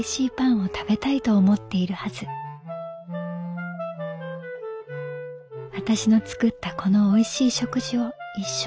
「私の作ったこのおいしい食事を一緒に楽しめたら。